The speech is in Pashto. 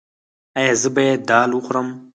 ایا زه باید دال وخورم؟